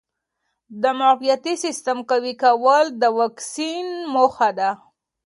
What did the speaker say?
د معافیتي سیسټم قوي کول د واکسین موخه ده.